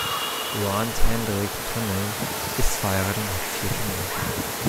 Grant Hendrik Tonne ist verheiratet und hat vier Kinder.